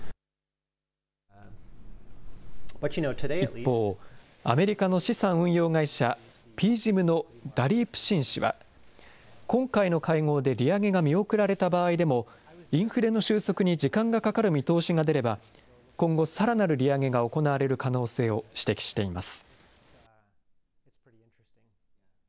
一方、アメリカの資産運用会社、ＰＧＩＭのダリープ・シン氏は、今回の会合で利上げが見送られた場合でも、インフレの収束に時間がかかる見通しが出れば、今後さらなる利上げが行われる可能性を指摘しています。